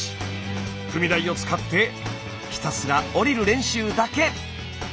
踏み台を使ってひたすら下りる練習だけ。